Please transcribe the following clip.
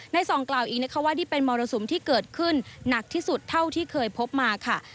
ส่องกล่าวอีกนะคะว่านี่เป็นมรสุมที่เกิดขึ้นหนักที่สุดเท่าที่เคยพบมาค่ะ